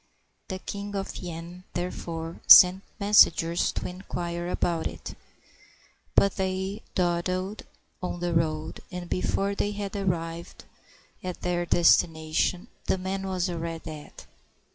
The ELing of Yen, therefore, sent messengers to inquire about it; but they dawdled on the road, and before they had arrived at their destination, the man was already dead.